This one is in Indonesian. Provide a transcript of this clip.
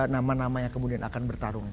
nama nama yang kemudian akan bertarung